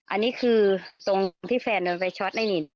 อันนี้คือตรงที่แฟนโดนไฟช็อตไอ้นี่